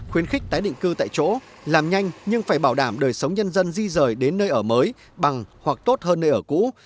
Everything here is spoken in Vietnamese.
khuyến khích tái định cư tại chỗ làm nhanh nhưng phải bảo đảm đời sống nhân dân di rời đến nơi ở mới bằng hoặc tốt hơn nơi ở cũ